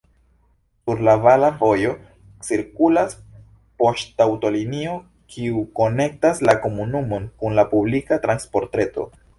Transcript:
Sur la vala vojo cirkulas poŝtaŭtolinio, kiu konektas la komunumon kun la publika transportreto.